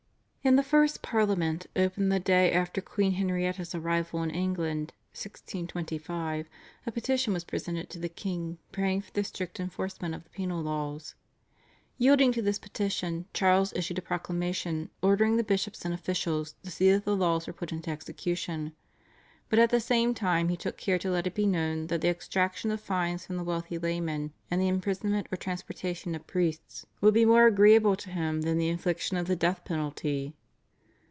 In the first Parliament, opened the day after Queen Henrietta's arrival in England (1625) a petition was presented to the king praying for the strict enforcement of the penal laws. Yielding to this petition Charles issued a proclamation ordering the bishops and officials to see that the laws were put into execution, but at the same time he took care to let it be known that the extraction of fines from the wealthy laymen and the imprisonment or transportation of priests would be more agreeable to him than the infliction of the death penalty.